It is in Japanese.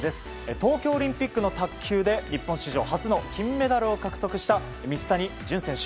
東京オリンピックの卓球で日本史上初の金メダルを獲得した水谷隼選手。